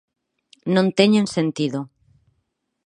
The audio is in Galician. Non teñen sentido.